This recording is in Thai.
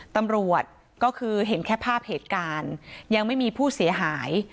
ตำรวจก็คือเห็นแค่ภาพเหตุการณ์ยังไม่มีผู้เสียหาย